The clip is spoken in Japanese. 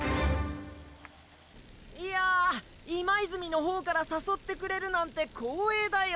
いや今泉のほうから誘ってくれるなんて光栄だよ。